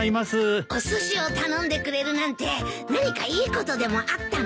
おすしを頼んでくれるなんて何かいいことでもあったの？